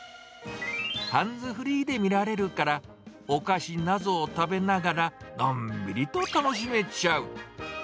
ハンズフリーで見られるから、お菓子なぞを食べながら、のんびりと楽しめちゃう。